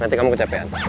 nanti kamu kecapean